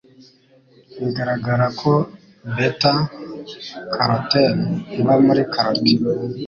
Bigaragara ko beta-carotene iba muri karoti,